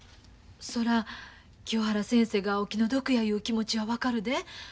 そら清原先生がお気の毒やいう気持ちは分かるで。